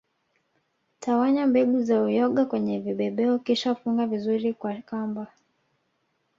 Tawanya mbegu za uyoga kwenye vibebeo kisha funga vizuri kwa kamba